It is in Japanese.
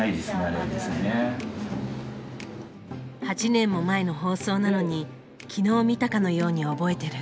８年も前の放送なのに昨日見たかのように覚えてる。